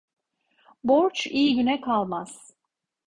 Borç iyi güne kalmaz.